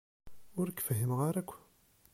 Ur k-fhimeɣ ara akk.